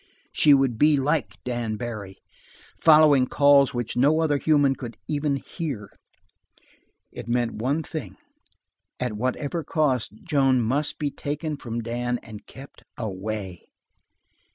She would be like Dan Barry, following calls which no other human could even hear. It meant one thing: at whatever cost, Joan must be taken from Dan and kept Away.